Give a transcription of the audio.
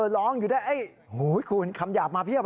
ร้องอยู่นั่นโอ้โฮคุณคำหยาบมาเทียบ